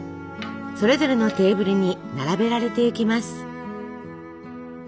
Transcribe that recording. それぞれのテーブルに並べられていきます。